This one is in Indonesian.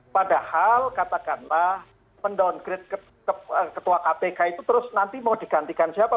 padahal katakanlah mendowngrade ketua kpk itu terus nanti mau digantikan siapa